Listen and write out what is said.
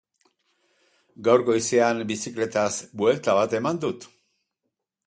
Gaur goizean bizikletaz buelta bat eman dut